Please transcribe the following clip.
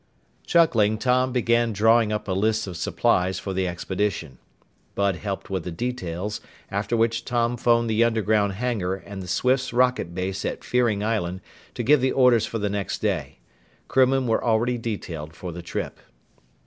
Chuckling, Tom began drawing up a list of supplies for the expedition. Bud helped with the details, after which Tom phoned the underground hangar and the Swifts' rocket base at Fearing Island to give the orders for the next day. Crewmen were also detailed for the trip.